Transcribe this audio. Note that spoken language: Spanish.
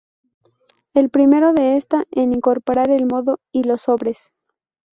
El primero de esta en incorporar el modo y los sobres.